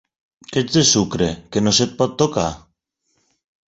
Que ets de sucre, que no se't pot tocar?